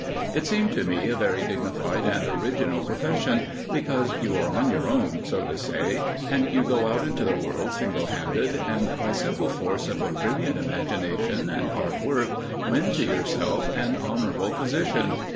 It seemed to me a very dignified and original profession, because you are on your own, so to say, and you go out into the world single handed, and by simple force of a brilliant imagination and hard work, win to yourself an honourable position.